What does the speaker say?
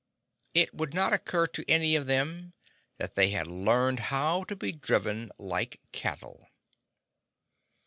It would not occur to any of them that they had learned how to be driven like cattle.